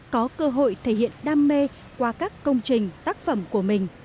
có cơ hội thể hiện đam mê qua các công trình tác phẩm của mình